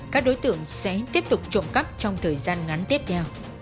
các đối tượng sẽ tiếp tục trộm cắp trong thời gian ngắn tiếp theo